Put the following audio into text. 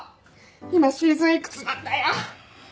今シーズンいくつなんだよ？